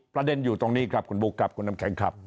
ประเด็นอยู่ตรงนี้ครับคุณบุ๊คครับคุณน้ำแข็งครับ